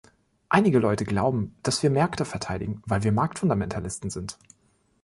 Einige Leute glauben, dass wir Märkte verteidigen, weil wir Marktfundamentalisten sind.